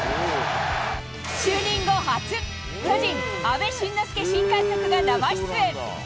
就任後初、巨人、阿部慎之助新監督が生出演。